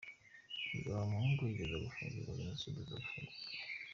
Uyu Habamungu yigeze gufungirwa Jenoside aza gufungurwa.